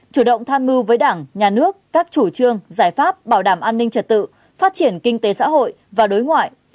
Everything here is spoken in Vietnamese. chủ động tham mưu với đảng nhà nước các chủ trương giải pháp bảo đảm an ninh trật tự phát triển kinh tế xã hội và đối ngoại